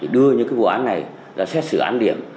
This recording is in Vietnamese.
đưa những vụ án này ra xét xử án điểm